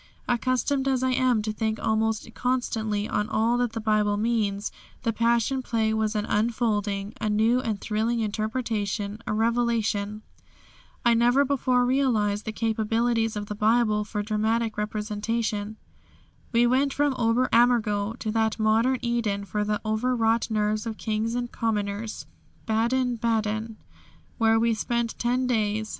Accustomed as I am to think almost constantly on all that the Bible means, the Passion Play was an unfolding, a new and thrilling interpretation, a revelation. I never before realised the capabilities of the Bible for dramatic representation." We went from Ober Ammergau to that modern Eden for the overwrought nerves of kings and commoners Baden baden, where we spent ten days.